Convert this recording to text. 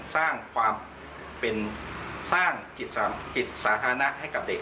สร้างความเป็นสร้างกิจสาธารณะให้กับเด็ก